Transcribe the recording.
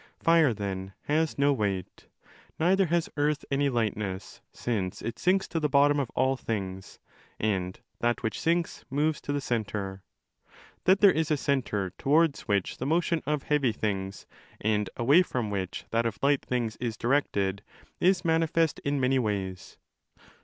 Fire, then, has no weight. Neither has earth any lightness, since it sinks to the bottom of all things, and that which sinks moves tothe centre. That there isa centre® towards which 30 the motion of heavy things, and away from which that of light things is directed, is manifest in many ways.